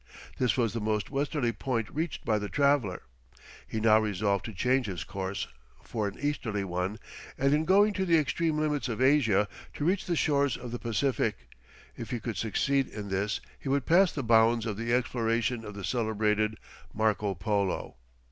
This was the most westerly point reached by the traveller; he now resolved to change his course for an easterly one, and in going to the extreme limits of Asia, to reach the shores of the Pacific: if he could succeed in this he would pass the bounds of the explorations of the celebrated Marco Polo.